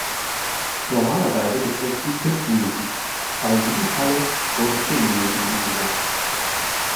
Normalerweise beträgt sie fünf Minuten, aber in diesem Falle wurden zehn Minuten angesetzt.